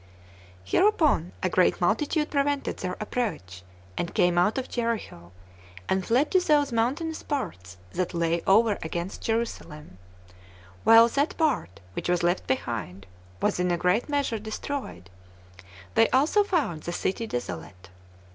2. Hereupon a great multitude prevented their approach, and came out of Jericho, and fled to those mountainous parts that lay over against Jerusalem, while that part which was left behind was in a great measure destroyed; they also found the city desolate.